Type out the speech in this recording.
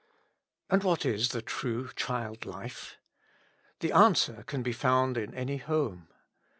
And what is the true child life ? The answer can be found in any home.